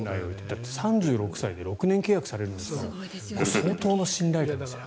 だって３６歳で６年契約されるんですから相当な信頼感ですよ。